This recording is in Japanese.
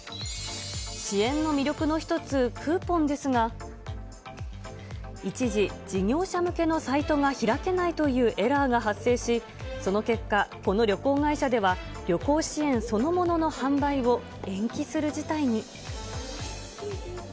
支援の魅力の一つ、クーポンですが、一時、事業者向けのサイトが開けないというエラーが発生し、その結果、この旅行会社では、旅行支援そのものの販売を延期する事態に。